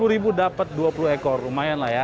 rp lima puluh dapat dua puluh ekor lumayan lah ya